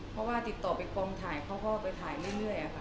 เพราะว่าติดต่อไปกองถ่ายเขาก็ไปถ่ายเรื่อยค่ะ